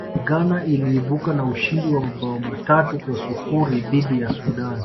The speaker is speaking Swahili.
ghana iliibuka na ushindi wa mabao matatu kwa sifuri dhidi ya sudan